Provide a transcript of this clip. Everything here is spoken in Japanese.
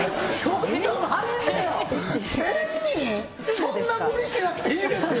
そんなムリしなくていいですよ